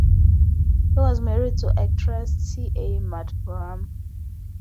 He was married to actress T. A. Madhuram.